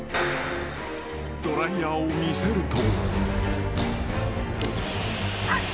［ドライヤーを見せると］